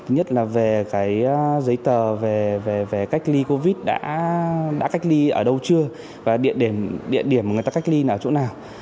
nhất là về giấy tờ về cách ly covid đã cách ly ở đâu chưa và địa điểm mà người ta cách ly là ở chỗ nào